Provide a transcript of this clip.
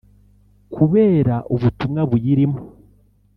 Kubera ubutumwa buyirimo